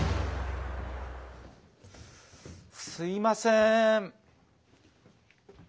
すいません。